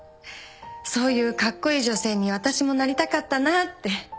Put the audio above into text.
そういうカッコイイ女性に私もなりたかったなって。